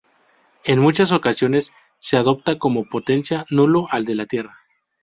En muchas ocasiones, se adopta como potencia nulo al de la tierra.